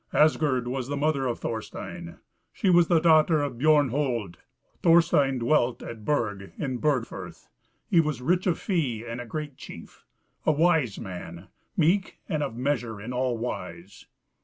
Asgerd was the mother of Thorstein; she was the daughter of Biorn Hold. Thorstein dwelt at Burg in Burg firth; he was rich of fee, and a great chief, a wise man, meek and of measure in all wise.